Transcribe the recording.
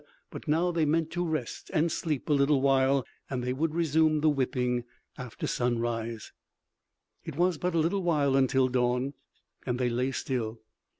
But now they meant to rest and sleep a little while, and they would resume the whipping after sunrise. It was but a little while until dawn and they lay still.